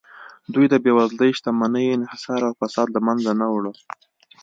دوی د بېوزلۍ، شتمنۍ انحصار او فساد له منځه نه وړه